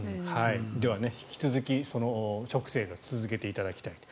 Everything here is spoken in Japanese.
では、引き続きその食生活を続けていただきたいと。